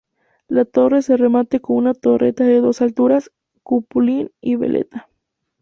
La torre se remate con una torreta de dos alturas, cupulín y veleta.